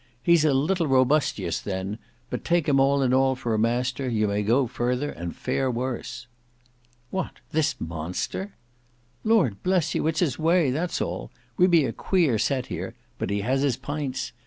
He's a little robustious then, but take him all in all for a master, you may go further and fare worse. "What! this monster!" "Lord bless you, it's his way, that's all, we be a queer set here; but he has his pints.